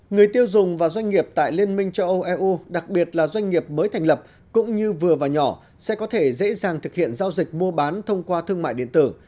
người tiêu dùng và doanh nghiệp tại liên minh châu âu eu đặc biệt là doanh nghiệp mới thành lập cũng như vừa và nhỏ sẽ có thể dễ dàng thực hiện giao dịch mua bán thông qua thương mại điện tử